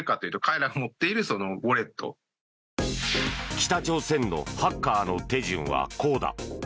北朝鮮のハッカーの手順はこうだ。